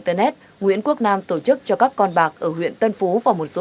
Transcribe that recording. đã ra lệnh tạm giữ hình sự